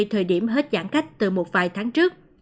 thời điểm hết giãn cách từ một vài tháng trước